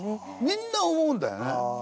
みんな思うんだよね。